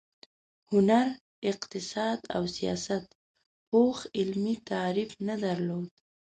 هنر، اقتصاد او سیاست پوخ علمي تعریف نه درلود.